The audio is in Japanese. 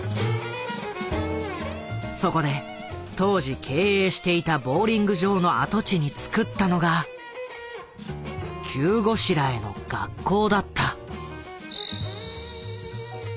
そこで当時経営していたボウリング場の跡地につくったのが急ごしらえの学校だった。